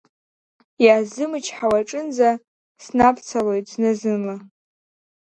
Иаасзымычҳауа аҿынӡа снабцалоит зны-зынла…